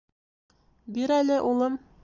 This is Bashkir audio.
— Бир әле, улым.